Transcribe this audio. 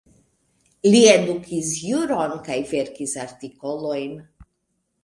Li edukis juron kaj verkis artikolojn.